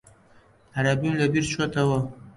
عەرەبیم لەبیر چۆتەوە.